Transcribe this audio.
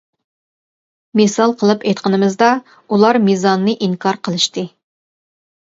مىسال قىلىپ ئېيتقىنىمىزدا ئۇلار مىزاننى ئىنكار قىلىشتى.